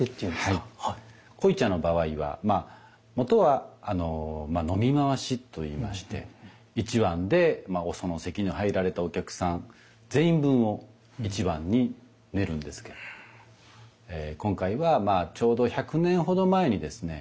濃茶の場合はまあもとは飲み回しと言いまして一碗でその席に入られたお客さん全員分を一碗に練るんですけれども今回はちょうど１００年ほど前にですね